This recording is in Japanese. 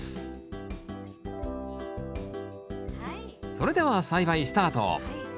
それでは栽培スタート。